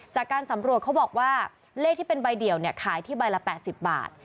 จากการสำรวจเขาบอกว่าเลขที่เป็นใบเดียวขายที่ใบละ๘๐บาท